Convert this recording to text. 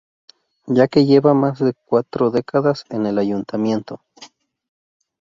ya que lleva más de cuatro décadas en el ayuntamiento